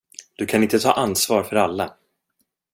Du kan inte ta ansvar för alla.